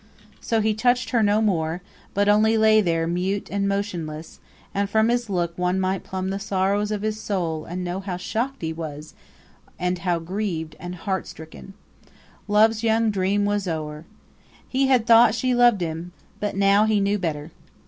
So he touched her no more, but only lay there mute and motionless; and from his look one might plumb the sorrows of his soul and know how shocked he was, and how grieved and heartstricken! Love's young dream was o'er! He had thought she loved him, but now he knew better.